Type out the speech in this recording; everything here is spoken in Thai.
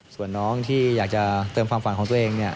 ส่วนน้องที่อยากจะเติมความฝันของตัวเอง